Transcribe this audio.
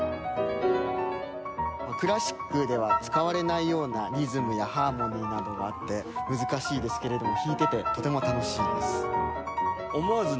クラシックでは使われないようなリズムやハーモニーなどがあって難しいですけれども思わずね